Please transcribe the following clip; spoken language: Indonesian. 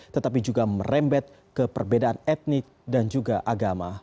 tetapi juga merembet ke perbedaan etnik dan juga agama